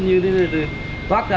như thế này toát ra